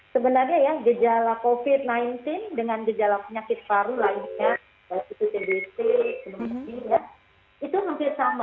sebenarnya ya gejala covid sembilan belas dengan gejala penyakit paru lainnya